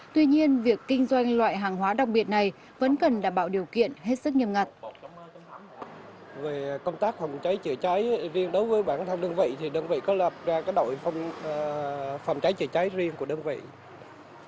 tuy nhiên việc kinh doanh loại hàng hóa đặc biệt này vẫn cần đảm bảo điều kiện hết sức nghiêm ngặt